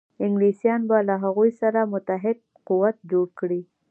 انګلیسیان به له هغوی سره متحد قوت جوړ کړي.